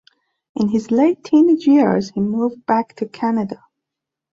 In his late teenage years he moved back to Canada.